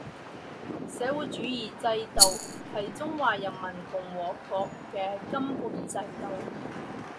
社会主义制度是中华人民共和国的根本制度